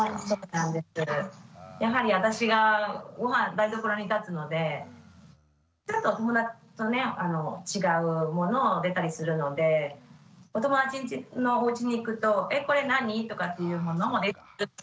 やはり私がごはん台所に立つのでちょっと友達とね違うものが出たりするのでお友達んちのおうちに行くと「えこれ何？」とかっていうものも出てくるときがあります。